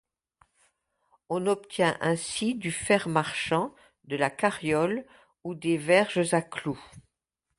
On obtient ainsi du fer marchand, de la carriole ou des verges à clous.